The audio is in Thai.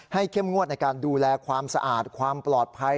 เข้มงวดในการดูแลความสะอาดความปลอดภัย